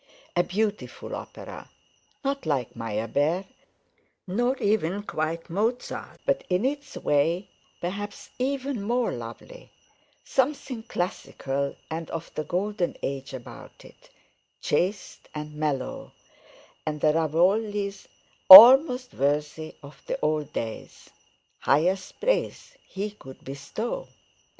A beautiful opera, not like Meyerbeer, nor even quite Mozart, but, in its way, perhaps even more lovely; something classical and of the Golden Age about it, chaste and mellow, and the Ravogli "almost worthy of the old days"—highest praise he could bestow.